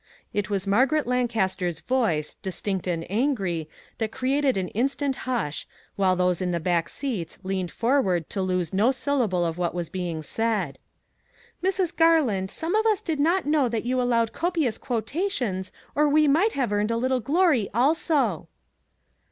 It was Margaret Lancaster's voice, distinct and angry, that created an instant hush, while those in the back seats leaned forward to lose no syllable of what was being said: " Mrs. Garland, some of us did not know that you allowed copious quotations or we might have earned a little glory also."